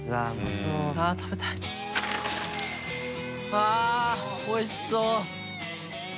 あぁおいしそう。